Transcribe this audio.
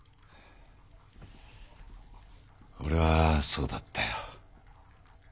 俺はそうだったよ。